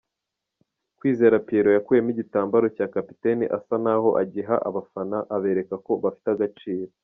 Kwizera Pierrot yakuyemo igitambaro cya kapiteni asa naho agiha abafana abereka ko bafite agaciro.